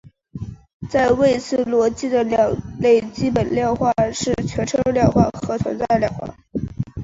在谓词逻辑的两类基本量化是全称量化和存在量化。